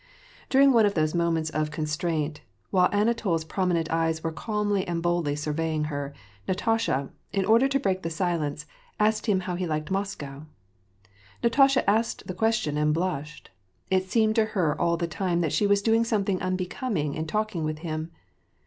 During one of those moments of constraint, while Anatol's prominent eyes were calmly and boldly surveying her, Natasha, in order to break the silence, asked hun how he liked Moscow. Natasha asked the question and blushed. It seemed to her all the time that she was doing something unbecoming in talking with him.